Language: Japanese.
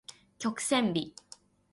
曲線美